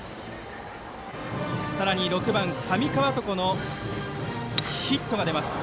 さらに、６番、上川床のヒットが出ます。